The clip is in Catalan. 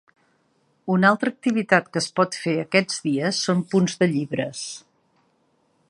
Una altra activitat que es pot fer aquests dies són punts de llibres.